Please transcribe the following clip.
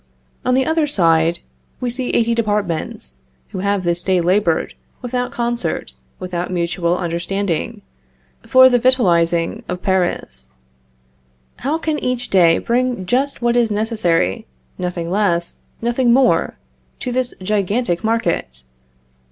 On the other side, we see eighty departments who have this day labored, without concert, without mutual understanding, for the victualing of Paris. How can each day bring just what is necessary, nothing less, nothing more, to this gigantic market?